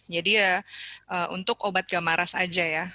ya untuk obat gamaras aja ya